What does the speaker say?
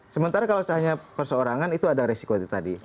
sementara kalau hanya perseorangan itu ada resiko itu tadi